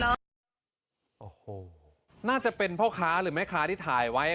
โอ้โหน่าจะเป็นพ่อค้าหรือแม่ค้าที่ถ่ายไว้